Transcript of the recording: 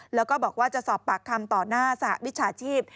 แล้วก็บอกว่าจะสอบปากคำต่อหน้าสหวิชาชีพ